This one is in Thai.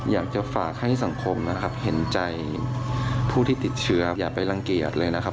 อยากจะฝากให้สังคมนะครับเห็นใจผู้ที่ติดเชื้ออย่าไปรังเกียจเลยนะครับ